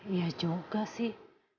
iya juga sih